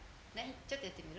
ちょっとやってみる？